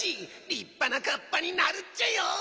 りっぱなカッパになるっちゃよ。